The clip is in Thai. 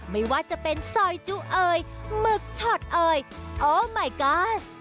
ไม่ว่าจะเป็นซอยจุเอยหมึกช็อตเอ่ยโอไมกอส